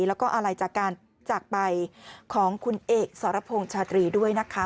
แล้วก็อะไรจากการจากไปของคุณเอกสรพงษ์ชาตรีด้วยนะคะ